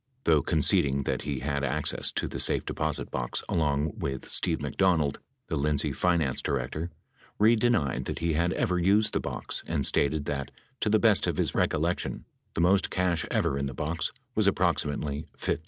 Though conceding that he had access to the safe deposit box along with Steve McDonald, the Lindsay finance director, Reid denied that he had ever used the box and stated that, to the best of his recollection, the most cash ever in the box was approxi mately $15,000.